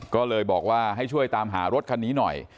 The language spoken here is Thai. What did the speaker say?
ก็เลยบอกว่าให้ช่วยตามหารถคันนี้หน่อย